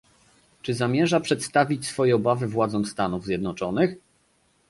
Czy zamierza przedstawić swoje obawy władzom Stanów Zjednoczonych?